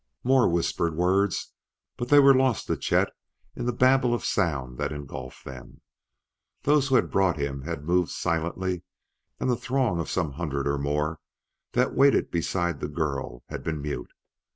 More whispered words, but they were lost to Chet in the babel of sound that engulfed them. Those who had brought him had moved silently, and the throng of some hundred or more that waited beside the girl had been mute.